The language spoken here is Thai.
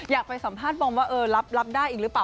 อยากไปสัมภาษณ์บอมว่าเออรับได้อีกหรือเปล่า